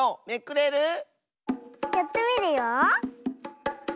やってみるよ。